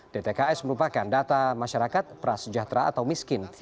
dtks merupakan data masyarakat prasejahtera atau miskin